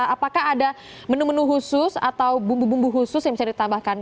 apakah ada menu menu khusus atau bumbu bumbu khusus yang bisa ditambahkan